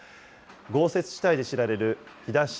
豪雪地帯で知られる飛騨市